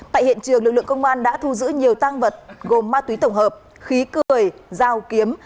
tại hiện trường lực lượng công an đã thu giữ nhiều tăng vật gồm ma túy tổng hợp khí cười dao kiếm